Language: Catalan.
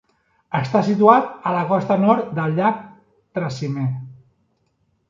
Està situat a la costa nord del llac Trasimè.